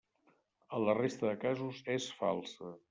En la resta de casos, és falsa.